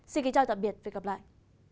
xin kính chào tạm biệt và hẹn gặp lại